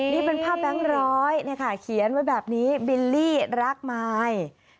นี่เป็นภาพแบงค์ร้อยเขียนไว้แบบนี้บิลลี่รักมาย